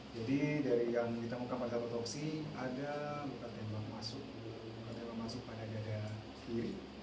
jadi dari yang ditemukan pada otopsi ada luka tembak masuk pada dada kiri